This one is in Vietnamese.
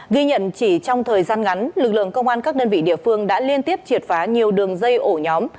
ghi nhận chỉ trong thời gian ngắn lực lượng công an các đơn vị địa phương đã liên tiếp triệt phá nhiều đường dây ổ nhóm